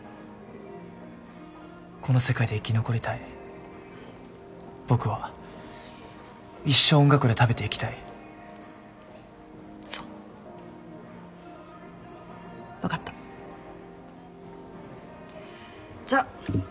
この世界で生き残りたい僕は一生音楽で食べていきたいそう分かったじゃっ